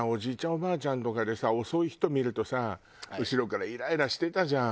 おばあちゃんとかでさ遅い人見るとさ後ろからイライラしてたじゃん。